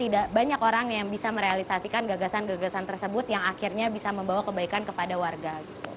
dan bisa merealisasikan gagasan gagasan tersebut yang akhirnya bisa membawa kebaikan kepada warga